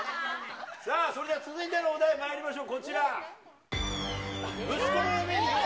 さあ、それでは続いてのお題、まいりましょう。